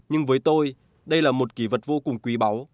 nhưng với tôi đây là một kỳ vật vô cùng quý báu